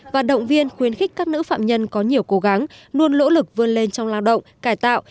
và động viên khuyến khích các nữ phạm nhân có nhiều cố gắng luôn nỗ lực vươn lên trong lao động cải tạo